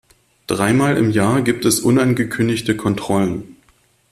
Dreimal im Jahr gibt es unangekündigte Kontrollen.